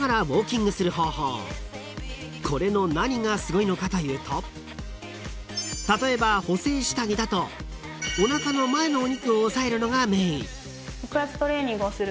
［これの何がすごいのかというと例えば補整下着だとおなかの前のお肉を押さえるのがメイン］